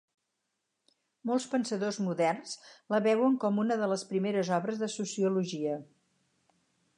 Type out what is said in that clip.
Molts pensadors moderns la veuen com una de les primeres obres de sociologia.